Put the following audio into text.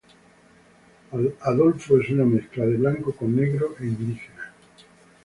Adolfo, es una mezcla de blanco con negro e indígena.